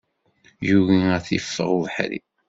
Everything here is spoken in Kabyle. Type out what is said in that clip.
Yugi ad t-iffeɣ ubeḥri.